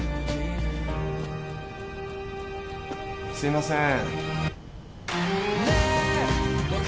すいません。